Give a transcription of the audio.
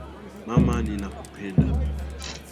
Mama ninakupenda.